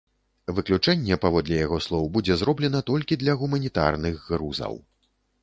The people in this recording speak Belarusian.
Выключэнне, паводле яго слоў, будзе зроблена толькі для гуманітарных грузаў.